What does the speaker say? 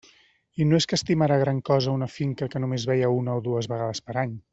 I no és que estimara gran cosa una finca que només veia una o dues vegades per any.